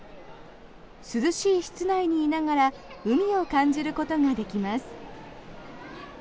涼しい室内にいながら海を感じることができます。